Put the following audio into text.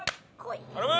頼む！